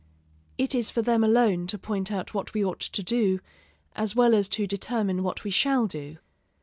It is for them alone to point out what we ought to do, as well as to determine what we shall do.